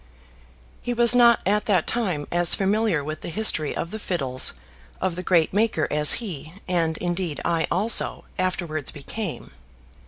He was not at that time as familiar with the history of the fiddles of the great maker as he, and indeed I also, afterwards became.